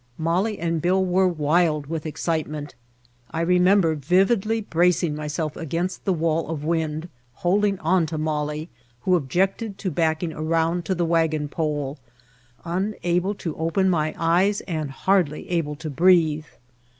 Molly and Bill were wild with excite ment. I remember vividly bracing myself against the wall of wind, holding on to Molly, who objected to backing around to the wagon White Heart of Mojave pole, unable to open my eyes and hardly able to breathe.